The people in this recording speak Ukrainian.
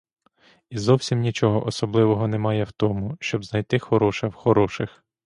І зовсім нічого особливого немає в тому, щоб знайти хороше в хороших.